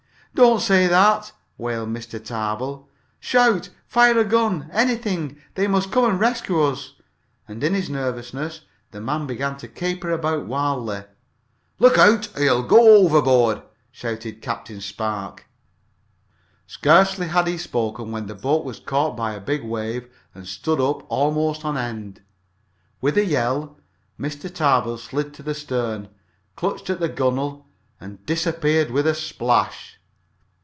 "Don't say that!" wailed Mr. Tarbill. "Shout fire a gun anything! They must come and rescue us!" And in his nervousness the man began to caper about wildly. "Look out, or you'll go overboard!" shouted Captain Spark. Scarcely had he spoken when the boat was caught by a big wave and stood up almost on end. With a yell Mr. Tarbill slid to the stern, clutched at the gunwale, and disappeared with a splash.